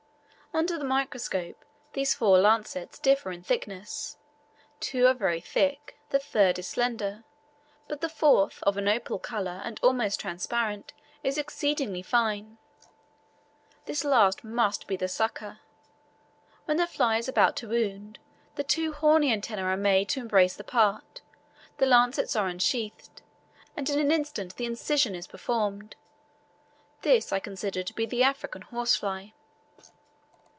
Under the microscope these four lancets differ in thickness, two are very thick, the third is slender, but the fourth, of an opal colour and almost transparent, is exceedingly fine. This last must be the sucker. When the fly is about to wound, the two horny antennae are made to embrace the part, the lancets are unsheathed, and on the instant the incision is performed. This I consider to be the African "horse fly."